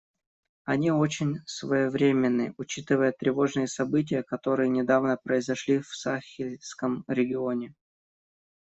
Они очень своевременны, учитывая тревожные события, которые недавно произошли в Сахельском регионе.